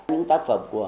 những tác phẩm của